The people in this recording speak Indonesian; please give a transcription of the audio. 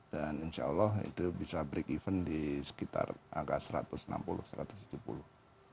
dan insya allah itu bisa break even di sekitar agak satu ratus enam puluh satu ratus tujuh puluh